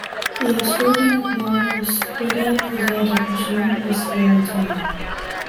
Los organoclorados pueden causar depresión respiratoria.